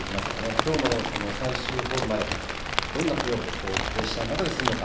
きょうの最終ホールまでどんなプレーをプレッシャーの中でするのか。